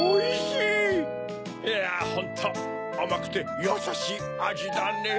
いやホントあまくてやさしいあじだねぇ！